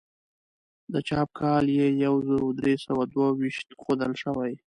د چاپ کال یې یو زر درې سوه دوه ویشت ښودل شوی.